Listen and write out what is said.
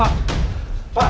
pak pak pak